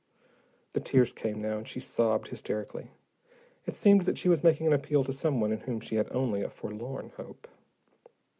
The tears came now, and she sobbed hysterically. It seemed that she was making an appeal to someone in whom she had only a forlorn hope.